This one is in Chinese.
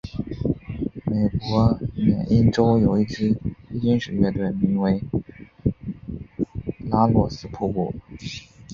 美国缅因洲有一支黑金属乐队名为拉洛斯瀑布。